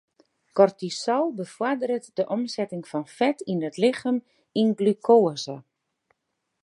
Kortisol befoarderet de omsetting fan fet yn it lichem yn glukoaze.